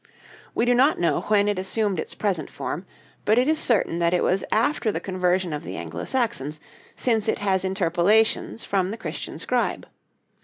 We do not know when it assumed its present form; but it is certain that it was after the conversion of the Anglo Saxons, since it has interpolations from the Christian scribe.